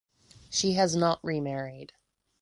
She has not remarried.